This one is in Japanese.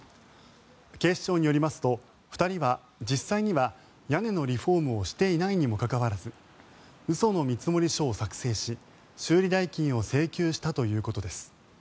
警視庁によりますと２人は実際には屋根のリフォームをしていないにもかかわらず嘘の見積書を作成し、修理代金を請求したということです。